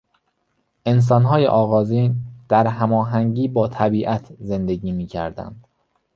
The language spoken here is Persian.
انسانهای آغازین در هماهنگی با طبیعت زندگی میکردند.